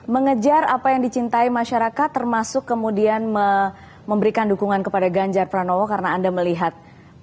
mengejar apa yang dicintai masyarakat termasuk kemudian memberikan dukungan kepada ganjar pranowo karena anda melihat